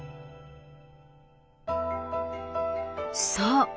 そう。